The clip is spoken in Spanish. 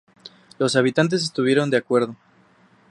Los habitantes estuvieron de acuerdo.